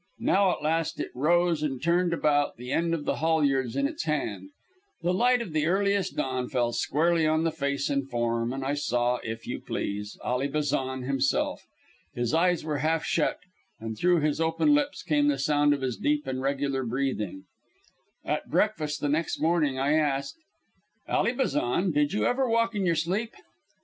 Now, at last, it rose and turned about, the end of the halyards in its hand. The light of the earliest dawn fell squarely on the face and form, and I saw, if you please, Ally Bazan himself. His eyes were half shut, and through his open lips came the sound of his deep and regular breathing. At breakfast the next morning I asked, "Ally Bazan, did you ever walk in your sleep."